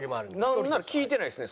なんなら聞いてないですね。